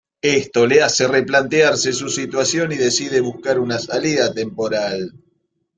Esto le hace replantearse su situación y decide buscar una salida temporal.